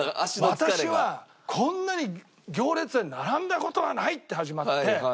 「私はこんなに行列は並んだ事はない」って始まって。